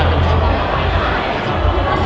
อีซ่าน้องท่านนะครับ